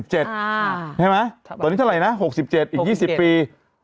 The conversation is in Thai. ใช่ไหมตอนนี้เท่าไหร่นะ๖๗อีก๒๐ปี